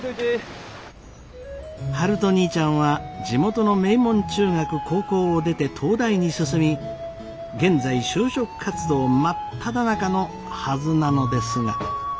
悠人兄ちゃんは地元の名門中学・高校を出て東大に進み現在就職活動真っただ中のはずなのですが。